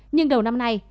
nhưng đầu năm nay